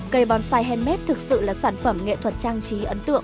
cây bonsai handmade thực sự là sản phẩm nghệ thuật trang trí ấn tượng